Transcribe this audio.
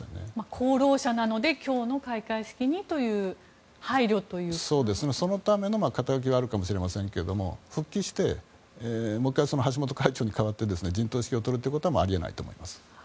功労者なので今日の開会式にというそのための肩書きはあるかもしれませんが復帰して、もう１回橋本会長に代わって陣頭指揮を執ることはあり得ないと思います。